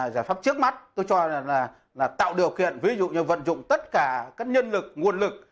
giải pháp trước mắt tôi cho là tạo điều kiện ví dụ như vận dụng tất cả các nhân lực nguồn lực